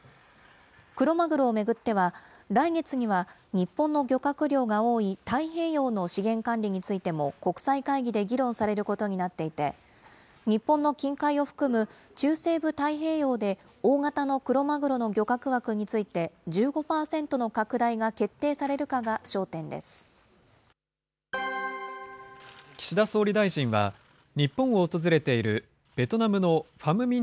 クロマグロを巡っては、来月には日本の漁獲量が多い太平洋の資源管理についても、国際会議で議論されることになっていて、日本の近海を含む中西部太平洋で、大型のクロマグロの漁獲枠について、１５％の拡大が決定されるかが焦岸田総理大臣は、日本を訪れているベトナムのファム・ミン・